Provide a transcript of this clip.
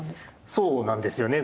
そうなんですよね。